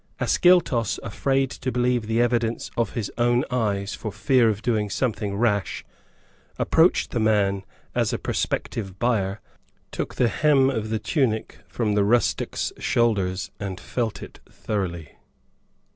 Ascyltos, afraid to believe the evidence of his own eyes for fear of doing something rash, approached the man, as a prospective buyer, took the hem of the tunic from the rustic's shoulders, and felt it thoroughly.